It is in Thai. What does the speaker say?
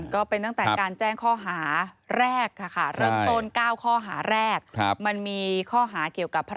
ก็เป็นตั้งแต่การแจ้งข้อหาแรกค่ะค่ะเริ่มต้น๙ข้อหาแรก